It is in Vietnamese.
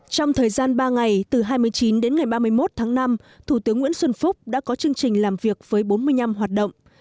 trong thời gian ba ngày từ hai mươi chín đến ngày ba mươi một tháng năm thủ tướng nguyễn xuân phúc đã có chương trình làm việc với bốn mươi năm hoạt động